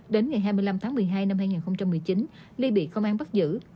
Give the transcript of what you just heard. đến ngày hai mươi năm tháng một mươi hai năm hai nghìn một mươi chín ly bị công an bắt giữ